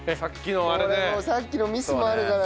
俺さっきのミスもあるからな。